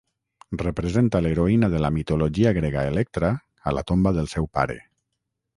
Representa l'heroïna de la mitologia grega Electra a la tomba del seu pare.